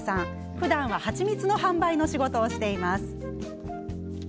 ふだんは蜂蜜の販売の仕事をしています。